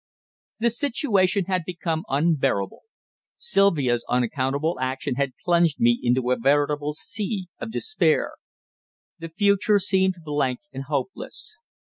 The situation had become unbearable. Sylvia's unaccountable action had plunged me into a veritable sea of despair. The future seemed blank and hopeless.